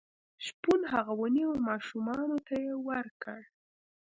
شپون هغه ونیو او ماشومانو ته یې ورکړ.